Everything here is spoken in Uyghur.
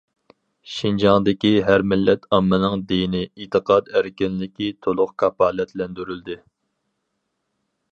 شىنجاڭدىكى ھەر مىللەت ئاممىنىڭ دىنىي ئېتىقاد ئەركىنلىكى تولۇق كاپالەتلەندۈرۈلدى.